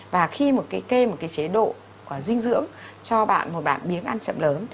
và khi một cái cây một cái chế độ của dinh dưỡng cho bạn một bạn biếng ăn chậm lớn